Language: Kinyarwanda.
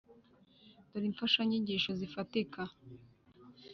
dore imfashanyigisho zifatika,